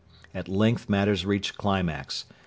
At length matters reached climax.